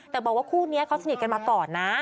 แต่บอกว่าคู่นี้เขาสนิทกันมาก่อนนะ